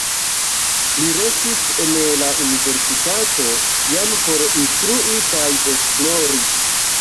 Li restis en la universitato jam por instrui kaj esplori.